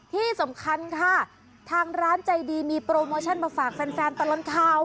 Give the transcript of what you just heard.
ที่สำคัญค่ะทางร้านใจดีมีโปรโมชั่นมาฝากแฟนตลอดข่าว